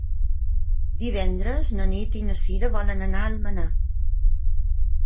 Divendres na Nit i na Sira volen anar a Almenar.